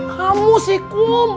kamu sih kum